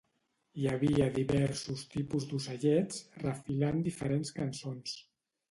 Hi havia diversos tipus d'ocellets, refilant diferents cançons.